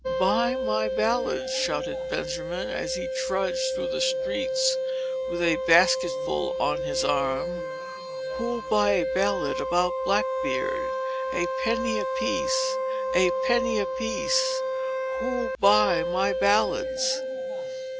"Buy my ballads!" shouted Benjamin, as he trudged through the streets, with a basketful on his arm. "Who'll buy a ballad about Black Beard? A penny a piece! a penny a piece! who'll buy my ballads?"